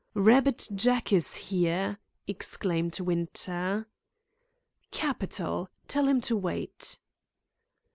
"'Rabbit Jack' is here," exclaimed Winter. "Capital! Tell him to wait."